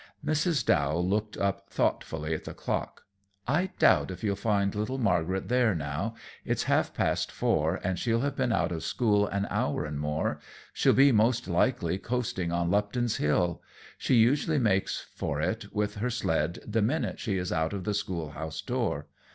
Mrs. Dow looked up thoughtfully at the clock. "I doubt if you'll find little Margaret there now. It's half past four, and she'll have been out of school an hour and more. She'll be most likely coasting on Lupton's Hill. She usually makes for it with her sled the minute she is out of the school house door.